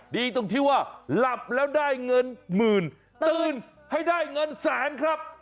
ดีตรงที่ว่าหลับแล้วได้เงินหมื่นตื่นให้ได้เงินแสนครับ